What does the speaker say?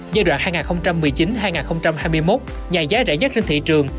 giai đoạn hai nghìn một mươi chín hai nghìn hai mươi một nhà giá rẻ nhất trên thị trường